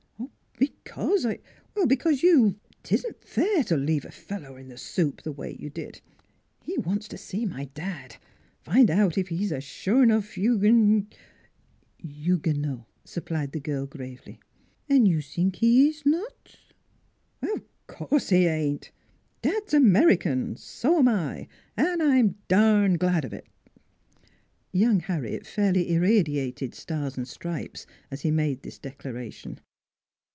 "" Because I because you 'Tisn't fair to leave a fellow in the soup, the way you did. ... He wants to see my dad; find out if he's a sure 'nough Hug "" Huguenot," supplied the girl gravely. " An' you sink 'e ees not? "" 'Course he ain't I Dad's American; so am I. And I'm darned glad of it! " Young Harry fairly irradiated stars and stripes as he made this declaration.